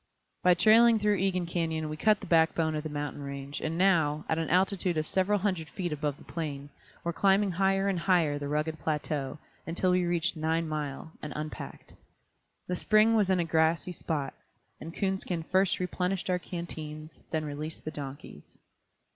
By trailing through Egan Canyon we cut the backbone of the mountain range and now, at an altitude of several hundred feet above the plain, were climbing higher and higher the rugged plateau, until we reached Nine Mile, and unpacked. The spring was in a grassy spot, and Coonskin first replenished our canteens, then released the donkeys.